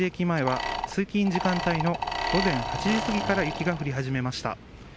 前は通勤時間帯の午前８時すぎから雪が降り始めました。